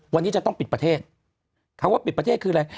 วันนี้จะต้องปิดประเทศคำว่าปิดประเทศคืออะไร